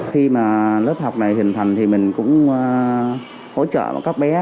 khi mà lớp học này hình thành thì mình cũng hỗ trợ cho các bé